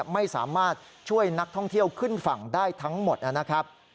ไม่สามารถช่วยนักท่องเที่ยวขึ้นฝั่งได้ทั้งหมดนะครับ